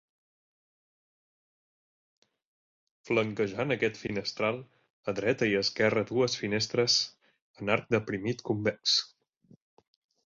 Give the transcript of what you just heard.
Flanquejant aquest finestral, a dreta i esquerra dues finestres en arc deprimit convex.